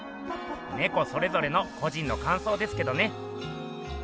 ネコそれぞれの個人の感想ですけどね。